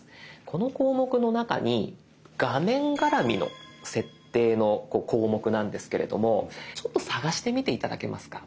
この項目の中に画面がらみの設定の項目なんですけれどもちょっと探してみて頂けますか。